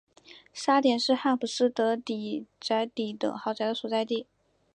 沙点是汉普斯德宅邸等豪宅的所在地。